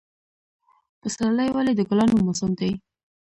پسرلی ولې د ګلانو موسم دی؟